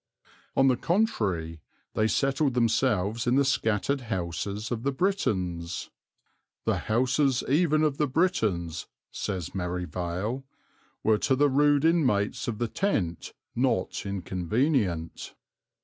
On the contrary, they settled themselves in the scattered houses of the Britons. "The houses even of the Britons," says Merivale, "were to the rude inmates of the Tent not inconvenient."